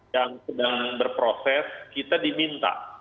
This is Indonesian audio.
yang sedang berproses kita diminta